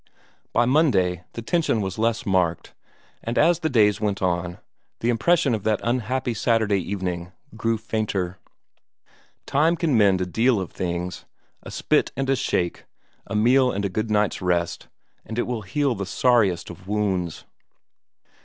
By Monday the tension was less marked, and as the days went on, the impression of that unhappy Saturday evening grew fainter. Time can mend a deal of things; a spit and a shake, a meal and a good night's rest, and it will heal the sorriest of wounds.